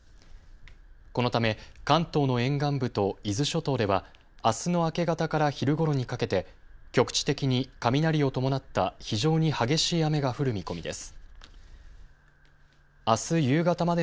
このため関東の沿岸部と伊豆諸島ではあすの明け方から昼ごろにかけて局地的に雷を伴った非常に激しい雨が降る見込みです。